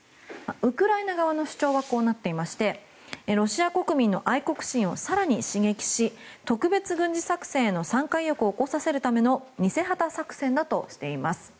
ウクライナ側の主張はこうなっていましてロシア国民の愛国心を更に刺激し特別軍事作戦への参加意欲を起こさせるための偽旗作戦だとしています。